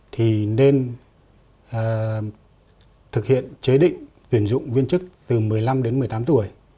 thì nên thực hiện chế định tuyển dụng viên chức từ một mươi năm đến một mươi tám tuổi